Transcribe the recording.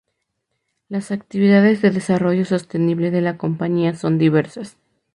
Las actividades de desarrollo sostenible de la compañía son diversas.